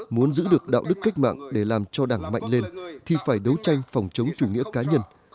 muốn giữ được đạo đức cách mạng để làm cho đảng mạnh lên thì phải đấu tranh phòng chống chủ nghĩa cá nhân